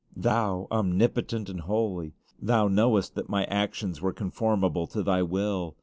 Thou, Omnipotent and Holy! Thou knowest that my actions were conformable to Thy will.